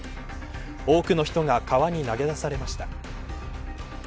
多くの人が川に投げ出されました